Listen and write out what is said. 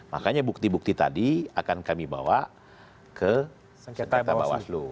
makanya bukti bukti tadi akan kami bawa ke sengketa bawaslu